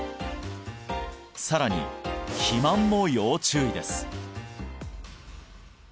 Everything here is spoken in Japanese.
さらに肥満も要注意です！